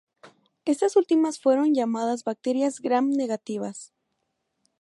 Estas últimas fueron llamadas Bacterias Gram negativas.